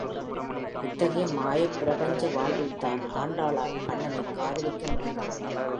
இத்தகைய மாயப் பிரபஞ்ச வாழ்வில்தான், ஆண்டாளால் கண்ணனைக் காதலிக்க முடிந்தது.